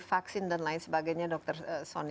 vaksin dan lain sebagainya dokter soni